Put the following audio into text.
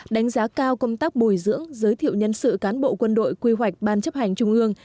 đánh giá cao công tác bồi dưỡng giới thiệu nhân sự cán bộ quân đội quy hoạch ban chấp hành trung ương